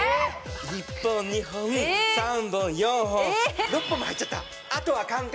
１本２本３本４本６本も入っちゃったあとは簡単。